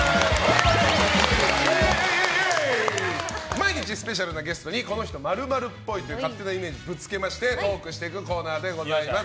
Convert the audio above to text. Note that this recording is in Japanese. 毎日スペシャルなゲストにこの人○○っぽいという勝手なイメージをぶつけましてトークしていくコーナーでございます。